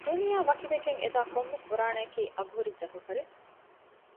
ދުނިޔެއާ ވަކިވެގެން އެ ދާ ކޮންމެ ފުރާނައަކީ އަގު ހުރި ޖައުހަރެއް